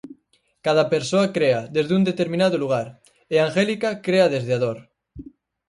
Cada persoa crea desde un determinado lugar, e Angélica crea desde a dor.